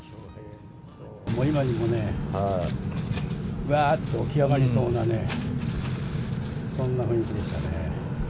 今にもね、うわーっと起き上がりそうなね、そんな雰囲気でしたね。